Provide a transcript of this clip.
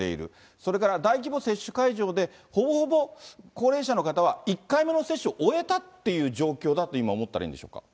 それから大規模接種会場で、ほぼほぼ高齢者の方は、１回目の接種を終えたという状況だと考えたらいいんでしょうか。